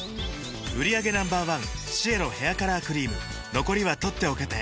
売上№１シエロヘアカラークリーム残りは取っておけて